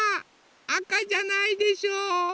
あかじゃないでしょ。